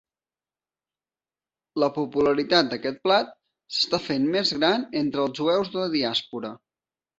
La popularitat d'aquest plat s'està fent més gran entre els jueus de la diàspora.